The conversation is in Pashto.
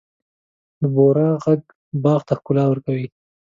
د بورا ږغ باغ ته ښکلا ورکوي.